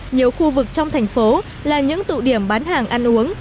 nhiều khu vực trong thành phố là những tụ điểm bán hàng ăn uống